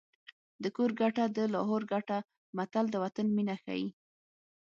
د کور ګټه د لاهور ګټه متل د وطن مینه ښيي